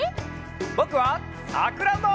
ぼくはさくらんぼ！